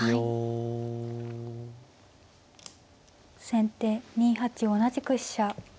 先手２八同じく飛車。